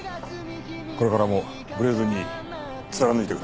これからもブレずに貫いてください。